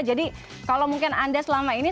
jadi kalau mungkin anda selama ini